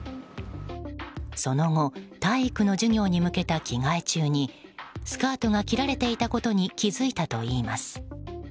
その後体育の授業に向けた着替え中にスカートが切られていたことに気づいたといいます。